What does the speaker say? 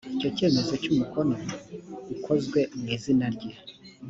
icyo cyemezo cy’umukono ukozwe mu izina rye